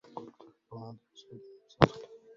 كلف الفؤاد بشادن أبصرته